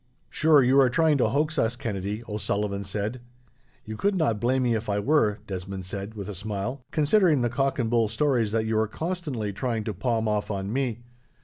"Sure you are trying to hoax us, Kennedy," O'Sullivan said. "You could not blame me, if I were," Desmond said, with a smile, "considering the cock and bull stories that you are constantly trying to palm off on me.